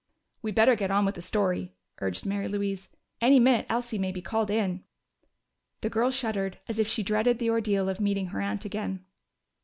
"We better get on with the story," urged Mary Louise. "Any minute Elsie may be called in." The girl shuddered, as if she dreaded the ordeal of meeting her aunt again.